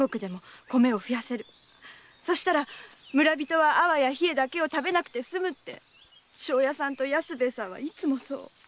そしたら村人は粟や稗だけを食べなくて済むって庄屋さんや安兵衛さんはいつもそう。